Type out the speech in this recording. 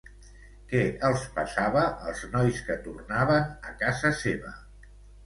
Què els passava als nois que tornaven a casa seva?